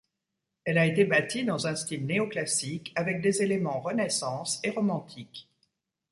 Elle a été bâtie dans un style néo-classique, avec des éléments Renaissance et romantiques.